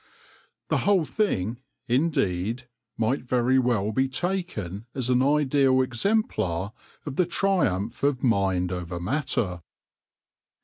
The whole thing, indeed, might very well be taken as an ideal exemplar of the triumph of mind over matter.